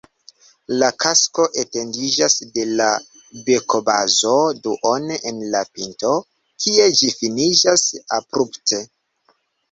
La kasko etendiĝas de la bekobazo duone al la pinto, kie ĝi finiĝas abrupte.